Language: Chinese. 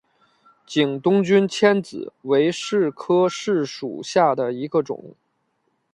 景东君迁子为柿科柿属下的一个种。